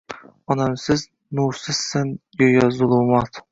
Onamsiz nursizsan guyo zulumot